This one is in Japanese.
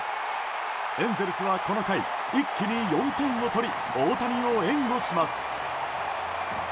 エンゼルスはこの回、一気に４点を取り大谷を援護します。